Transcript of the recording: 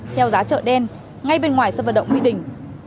theo giá chợ đen ngay bên ngoài sân vận động mỹ đình